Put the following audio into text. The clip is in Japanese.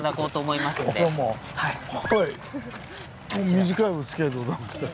短いおつきあいでございました。